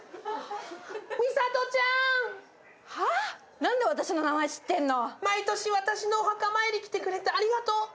なんで私の名前知ってんの毎年、私のお墓参り来てくれてありがとう。